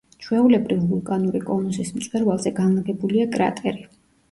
ჩვეულებრივ ვულკანური კონუსის მწვერვალზე განლაგებულია კრატერი.